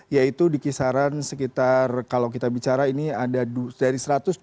yaitu di kisaran sekitar kalau kita bicara ini ada dari satu ratus dua puluh